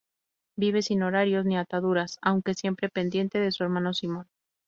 Vive sin horarios ni ataduras, aunque siempre pendiente de su hermano Simon.